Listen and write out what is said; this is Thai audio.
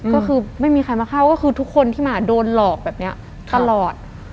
ก็คือไม่มีใครมาเข้าก็คือทุกคนที่มาโดนหลอกแบบนี้ตลอด